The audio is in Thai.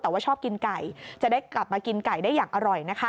ตลอดับว่าชอบกินไก่จะได้กลับมากินไก่ได้อย่างอร่อย